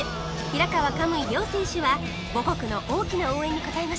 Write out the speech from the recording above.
平川・可夢偉両選手は母国の大きな応援に応えました